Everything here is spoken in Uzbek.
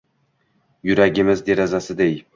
Yuragimiz derazasiday…